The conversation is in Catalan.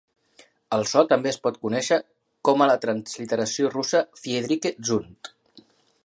El so també es pot conèixer com a la transliteració russa Fridrikhe Zund.